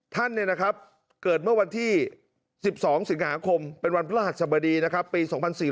ท่านเกิดเมื่อวันที่๑๒สิงหาคมเป็นวันพระหัสสบดีนะครับปี๒๔๔